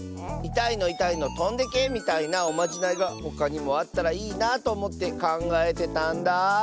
「いたいのいたいのとんでけ」みたいなおまじないがほかにもあったらいいなあとおもってかんがえてたんだ。